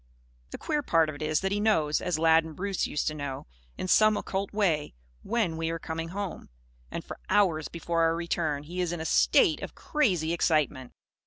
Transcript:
The queer part of it is that he knows as Lad and Bruce used to know in some occult way, when we are coming home. And, for hours before our return, he is in a state of crazy excitement.